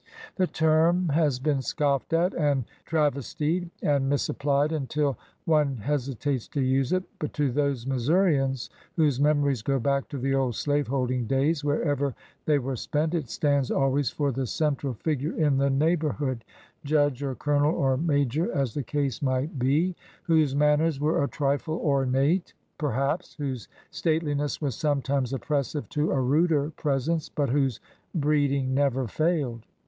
The term has been scoffed at, and travestied, and misapplied until one hesitates to use it; but to those Missourians whose memories go back to the old slave holding days, wherever they were spent, it stands always for the central figure in the neighborhood,— judge, or colonel, or major, as the case might be,— whose manners were a trifle ornate, perhaps, whose stateliness was sometimes oppressive to a ruder presence, but whose breeding never failed.